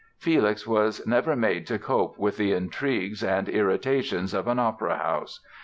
Felix was never made to cope with the intrigues and irritations of an opera house.